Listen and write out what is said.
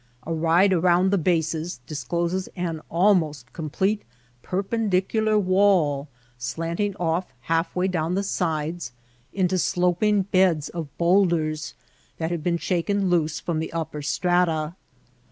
A ride around the bases discloses an almost com plete perpendicular wall, slanting off half way down the sides into sloping beds of bowlders that have been shaken loose from the upper strata.